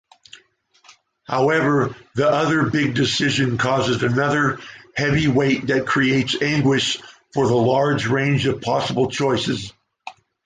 However this other big decision causes another heavy weight that creates anguish for the large range of possible choices.